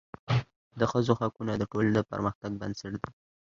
د ښځو حقونه د ټولني د پرمختګ بنسټ دی.